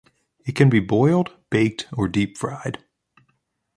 It can be boiled, baked, or deep fried.